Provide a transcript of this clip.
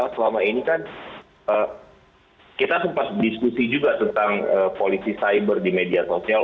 selama ini kan kita sempat diskusi juga tentang polisi cyber di media sosial